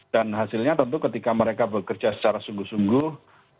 dan hasilnya tentu ketika mereka bekerja secara sungguh sungguh